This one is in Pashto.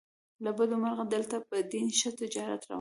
له بده مرغه دلته په دین ښه تجارت روان دی.